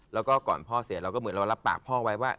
แล้วก็ก่อนพ่อเสียเราก็เหมือนเรารับปากพ่อไว้ว่า